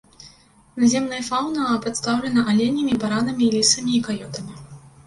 Наземная фаўна прадстаўлена аленямі, баранамі, лісамі і каётамі.